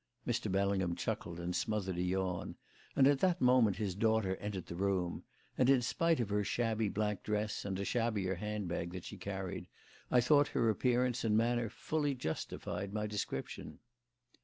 Mr. Bellingham chuckled and smothered a yawn, and at that moment his daughter entered the room; and, in spite of her shabby black dress and a shabbier handbag that she carried, I thought her appearance and manner fully justified my description.